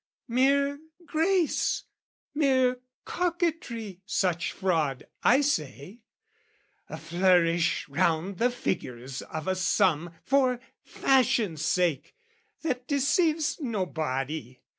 Mere grace, mere coquetry such fraud, I say: A flourish round the figures of a sum For fashion's sake, that deceives nobody.